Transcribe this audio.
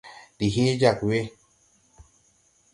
Ndi hee jag we.